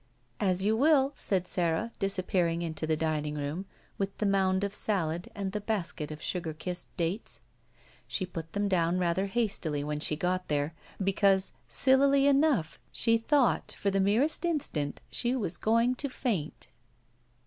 "As you will," said Sara, disappearing into the dining room with the mound of salad and the basket of sugar kissed dates. 264 ROULETTE She put them down rather hastily when she got there, because, sillily enough, she thought, for the merest instant, she was going to faint.